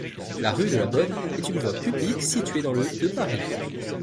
La rue de la Bonne est une voie publique située dans le de Paris.